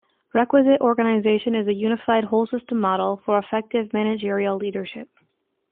Requisite organization is a unified whole system model for effective managerial leadership.